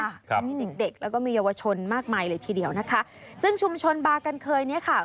ครับมีเด็กเด็กแล้วก็มีเยาวชนมากมายเลยทีเดียวนะคะซึ่งชุมชนบากันเคยเนี้ยค่ะ